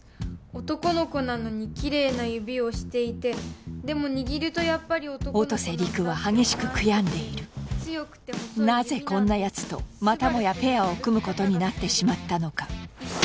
男の子なのにキレイな指をしていてでも握ると音瀬陸は激しく悔やんでいるなぜこんなヤツとまたもやペアを組むことになってしまったのか